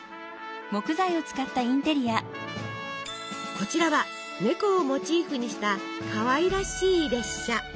こちらは猫をモチーフにしたかわいらしい列車。